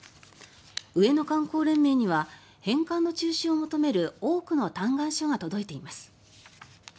上野観光連盟には返還の中止を求める多くの嘆願書が届いています。